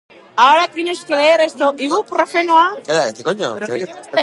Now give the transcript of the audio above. Ibuprofenoa hartu du eta beste ur trago bat edan.